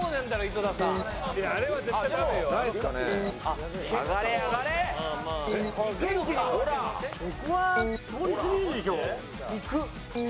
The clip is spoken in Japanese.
いく！